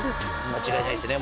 間違いないですね